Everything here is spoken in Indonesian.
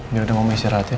biar udah mau menyesal atin